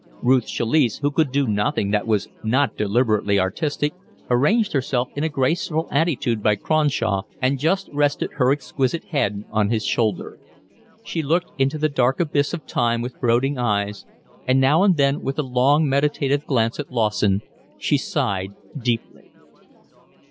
Ruth Chalice, who could do nothing that was not deliberately artistic, arranged herself in a graceful attitude by Cronshaw and just rested her exquisite head on his shoulder. She looked into the dark abyss of time with brooding eyes, and now and then with a long meditative glance at Lawson she sighed deeply.